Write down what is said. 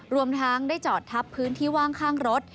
รวมทั้งได้จอดทับพื้นที่ว่างข้างรถ